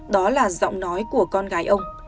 đó là giọng nói của con gái ông